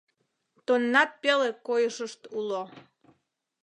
Тоннат пеле койышышт уло.